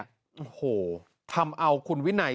โอ้โหทำเอาคุณวินัย